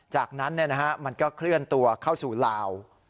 จากนั้นเนี่ยนะฮะมันก็เคลื่อนตัวเข้าสู่ลาว